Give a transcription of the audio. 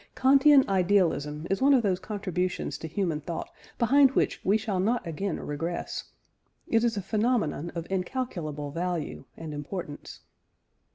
Kantian idealism is one of those contributions to human thought behind which we shall not again regress. It is a phenomenon of incalculable value and importance.